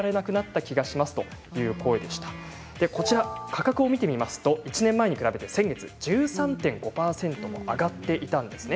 価格を見てみますと１年前に比べて先月は１３．５％も上がっていたんです。